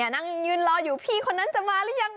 นั่งยืนรออยู่พี่คนนั้นจะมาหรือยัง